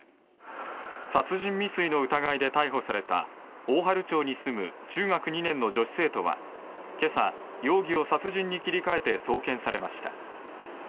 殺人未遂の疑いで逮捕された大治町に住む中学２年の女子生徒は今朝容疑を殺人に切り替えて送検されました。